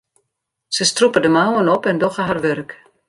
Se strûpe de mouwen op en dogge har wurk.